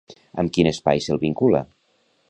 Amb quin espai se'l vincula?